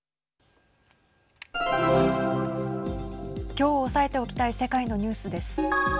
きょう押さえておきたい世界のニュースです。